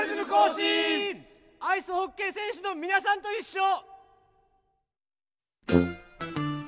アイスホッケーせんしゅのみなさんといっしょ。